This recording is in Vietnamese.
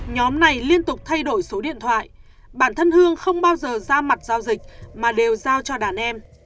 nhóm này liên tục thay đổi số điện thoại bản thân hương không bao giờ ra mặt giao dịch mà đều giao cho đàn em